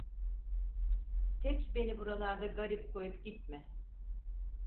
Tek beni buralarda garip koyup gitme!